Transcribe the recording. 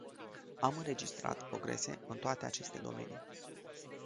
Am înregistrat progrese în toate aceste domenii.